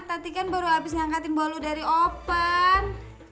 tati kan baru abis ngangkatin bolu dari open